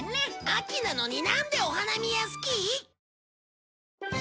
秋なのになんでお花見やスキー！？